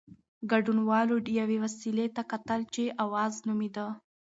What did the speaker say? ګډونوالو یوې وسيلې ته کتل چې "اوز" نومېده.